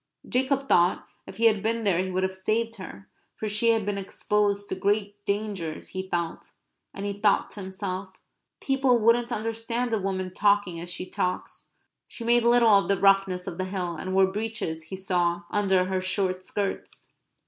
Jacob thought that if he had been there he would have saved her; for she had been exposed to great dangers, he felt, and, he thought to himself, "People wouldn't understand a woman talking as she talks." She made little of the roughness of the hill; and wore breeches, he saw, under her short skirts.